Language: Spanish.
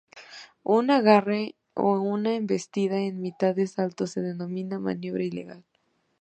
Un agarre o una embestida en mitad del salto, se denomina maniobra ilegal.